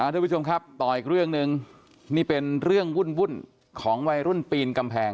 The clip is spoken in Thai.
ทุกผู้ชมครับต่ออีกเรื่องหนึ่งนี่เป็นเรื่องวุ่นของวัยรุ่นปีนกำแพง